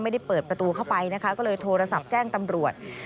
ไม่ได้เปิดประตูเข้าไปนะคะก็เลยโทรศัพท์แจ้งตำรวจ